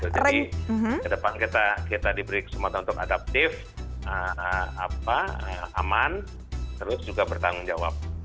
jadi ke depan kita diberi kesempatan untuk adaptif aman terus juga bertanggung jawab